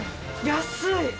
安い！